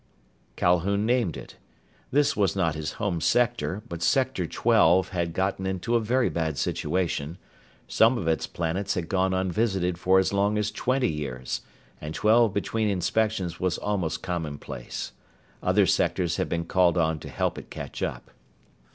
Calhoun named it. This was not his home sector, but Sector Twelve had gotten into a very bad situation. Some of its planets had gone unvisited for as long as twenty years, and twelve between inspections was almost commonplace. Other sectors had been called on to help it catch up.